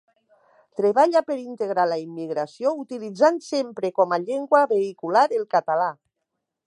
Treballa per integrar la immigració, utilitzant sempre com a llengua vehicular el català.